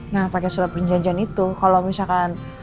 nah pake surat perjanjian itu kalo misalkan